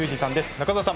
中澤さん